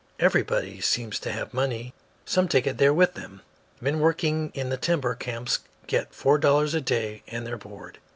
"Everybody seems to have money. Some take it there with them. Men working in the timber camps get four dollars a day and their board.